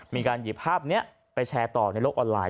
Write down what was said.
มีการหยิบภาพนี้ไปแชร์ต่อในโลกออนไลน